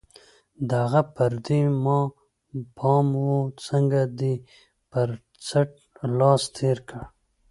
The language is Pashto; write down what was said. د هغه پر دې ما پام و، څنګه دې پر څټ لاس تېر کړ؟